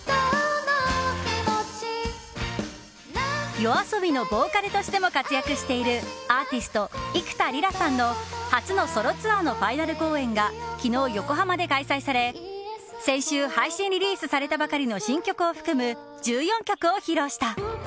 ＹＯＡＳＯＢＩのボーカルとしても活躍しているアーティスト、幾田りらさんの初のソロツアーのファイナル公演が昨日、横浜で開催され先週配信リリースされたばかりの新曲を含む１４曲を披露した。